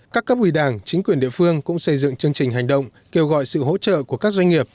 các cấp ủy đảng chính quyền địa phương cũng xây dựng chương trình hành động kêu gọi sự hỗ trợ của các doanh nghiệp